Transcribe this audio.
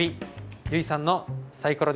ユイさんのサイコロです。